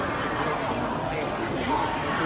ไม่ได้บอกว่าทันเดตให้ใส่